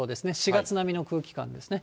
４月並みの空気感ですね。